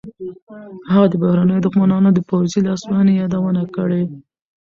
هغه د بهرنیو دښمنانو د پوځي لاسوهنې یادونه کړې.